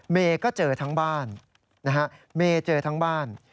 เมย์ก็เจอทั้งบ้าน